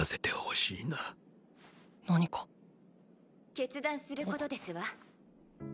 決断することですわ。